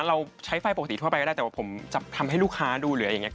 เราใช้ไฟปกติทั่วไปก็ได้แต่ว่าผมจะทำให้ลูกค้าดูเหลืออย่างนี้